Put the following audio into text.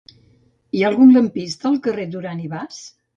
Hi ha algun lampista al carrer de Duran i Bas?